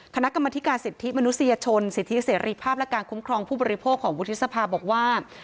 คณะกรรมธิการสิทธิมนุษยชนสิทธิเสรีภาพและการคุ้มครองผู้บริโภคของวุฒิสภาบอกว่า